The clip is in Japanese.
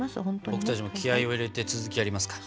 僕たちも気合を入れて続きやりますか。